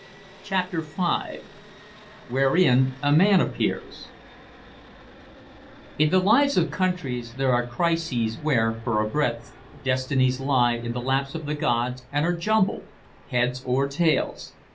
CHAPTER V WHEREIN A MAN APPEARS In the lives of countries there are crises where, for a breath, destinies lie in the laps of the gods and are jumbled, heads or tails.